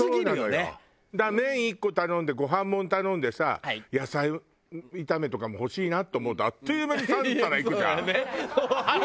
だから麺１個頼んでご飯もの頼んでさ野菜炒めとかも欲しいなって思うとあっという間に３皿いくじゃん。